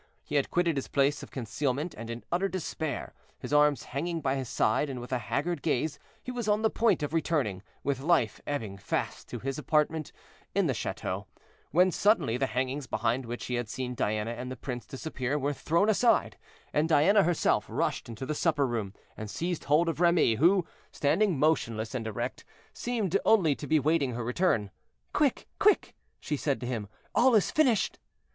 He had quitted his place of concealment, and in utter despair, his arms hanging by his side, and with a haggard gaze, he was on the point of returning, with life ebbing fast, to his apartment in the chateau, when suddenly the hangings behind which he had seen Diana and the prince disappear were thrown aside, and Diana herself rushed into the supper room, and seized hold of Remy, who, standing motionless and erect, seemed only to be waiting her return. "Quick! quick!" she said to him; "all is finished."